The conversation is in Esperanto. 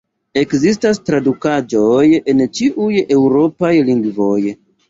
Ekzistas tradukaĵoj en ĉiuj eŭropaj lingvoj.